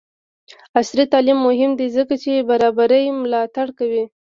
عصري تعلیم مهم دی ځکه چې برابري ملاتړ کوي.